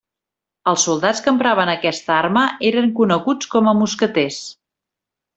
Els soldats que empraven aquesta arma eren coneguts com a mosqueters.